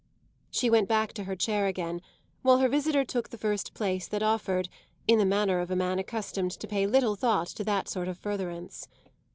She went back to her chair again, while her visitor took the first place that offered, in the manner of a man accustomed to pay little thought to that sort of furtherance.